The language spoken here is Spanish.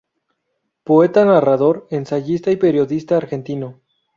Poeta, narrador, ensayista y periodista argentino.